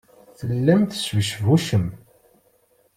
Tellam tesbucbucem.